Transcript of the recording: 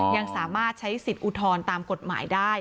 ยังสามารถใช้สิทธิ์อุทธรณ์ตามกฎหมายได้